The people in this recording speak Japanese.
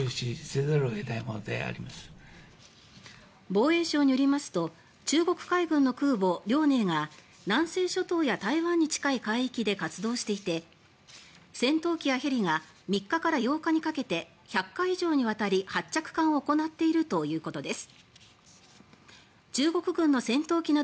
防衛省によりますと中国海軍の空母「遼寧」が南西諸島や台湾に近い海域で活動していて、戦闘機やヘリが３日から８日にかけて１００回以上にわたり発着艦を行っているということです。